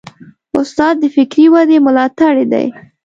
استاد د فکري ودې ملاتړی دی.